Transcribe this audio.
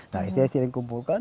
nah itu yang sering kumpulkan